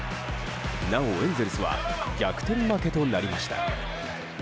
なおエンゼルスは逆転負けとなりました。